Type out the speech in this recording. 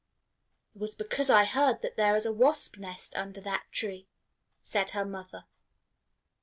"It was because I heard that there was a wasp's nest under that tree," said her mother.